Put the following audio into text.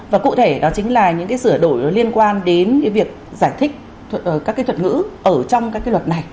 và cụ thể đó chính là những cái sửa đổi liên quan đến cái việc giải thích các cái thuật ngữ ở trong các cái luật này